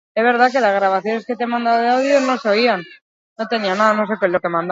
Txikia eta azkarra, beti dabil biluzik.